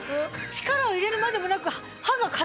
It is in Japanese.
力を入れるまでもなく。